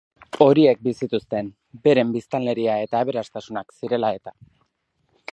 Horiek bi zituzten, beren biztanleria eta aberastasunak zirela eta.